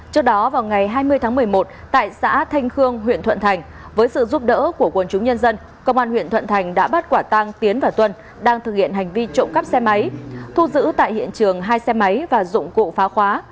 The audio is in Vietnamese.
trước đó vào ngày hai mươi tháng một mươi một tại xã thanh khương huyện thuận thành với sự giúp đỡ của quân chúng nhân dân công an huyện thuận thành đã bắt quả tăng tiến và tuân đang thực hiện hành vi trộm cắp xe máy thu giữ tại hiện trường hai xe máy và dụng cụ phá khóa